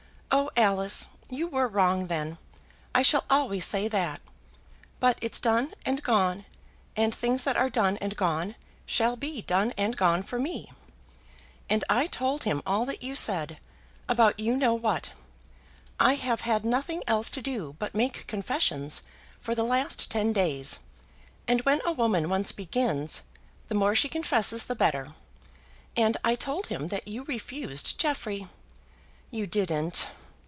Oh, Alice! you were wrong then; I shall always say that. But it's done and gone; and things that are done and gone shall be done and gone for me. And I told him all that you said, about you know what. I have had nothing else to do but make confessions for the last ten days, and when a woman once begins, the more she confesses the better. And I told him that you refused Jeffrey." "You didn't?"